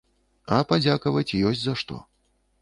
А падзякаваць ёсць за што.